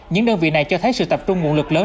những đơn vị này cho thấy sự tập trung nguồn lực lớn